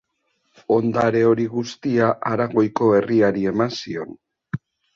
Ondare hori guztia Aragoiko herriari eman zion.